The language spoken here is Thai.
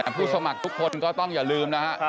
ผู้สมัครทุกคนก็ต้องอย่าลืมนะฮะ